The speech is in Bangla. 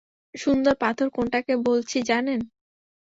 সুন্দর পাথর কোনটাকে বলছি জানেন?